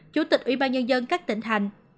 chủ tịch ủy ban nhân dân các tỉnh thành